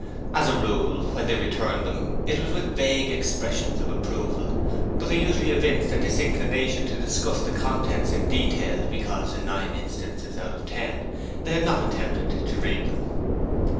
As a rule, when they returned them it was with vague expressions of approval, but they usually evinced a disinclination to discuss the contents in detail because, in nine instances out of ten, they had not attempted to read them.